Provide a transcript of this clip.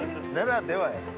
ならではや。